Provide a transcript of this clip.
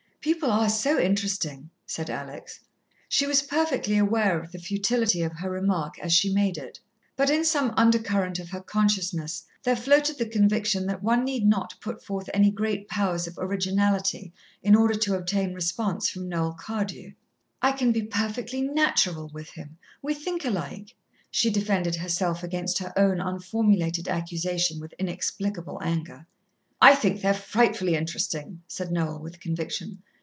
"People are so interesting," said Alex. She was perfectly aware of the futility of her remark as she made it, but in some undercurrent of her consciousness there floated the conviction that one need not put forth any great powers of originality in order to obtain response from Noel Cardew. "I can be perfectly natural with him we think alike," She defended herself against her own unformulated accusation with inexplicable anger. "I think they're frightfully interesting," said Noel with conviction.